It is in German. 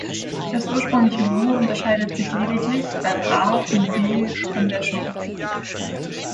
Das ursprüngliche Logo unterscheidet sich lediglich beim "a" und "b" von der Sho.